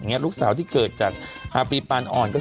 เนี่ยลูกสาวที่เกิดจาก๕ปีปานอ่อน